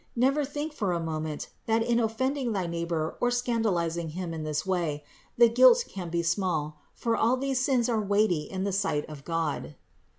Never think for a moment, that in offending thy neighbor or scandalizing him in this way, the guilt can be small, for all these sins are weighty in the sight of God.